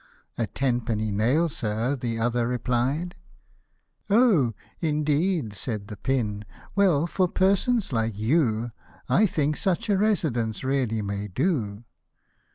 " A tenpenny nail, Sir," the other replied ;" O, indeed !" said the pin, "well, for persons like you 1 think, such a residence really may do."